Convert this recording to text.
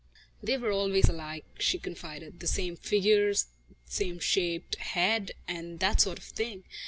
"They were always alike," she confided, "the same figures, same shaped head and that sort of thing.